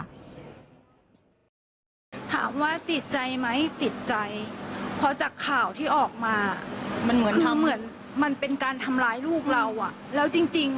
คุณแม่และก็น้าของน้องที่เสียชีวิตค่ะ